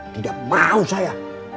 tidak mau saya